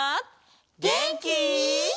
げんき？